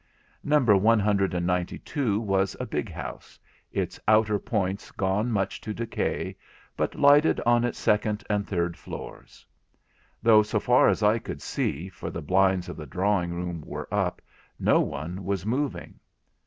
Number one hundred and ninety two was a big house, its outer points gone much to decay, but lighted on its second and third floors; though so far as I could see, for the blinds of the drawing room were up, no one was moving.